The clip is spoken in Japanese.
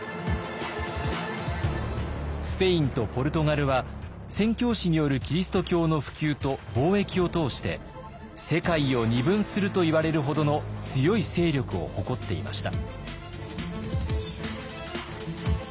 スペインとポルトガルは宣教師によるキリスト教の普及と貿易を通して世界を二分するといわれるほどの強い勢力を誇っていました。